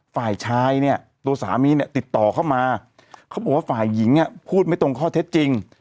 ฝ่ายชายเนี่ยตัวสามีเนี่ยติดต่อเข้ามาเขาบอกว่าฝ่ายหญิงพูดไม่ตรงข้อเท็จจริง